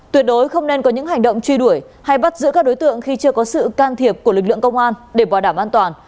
tuyệt đối không nên có những hành động truy đuổi hay bắt giữ các đối tượng khi chưa có sự can thiệp của lực lượng công an để bảo đảm an toàn